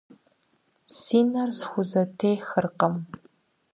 Си нэр схузэтехыркъым.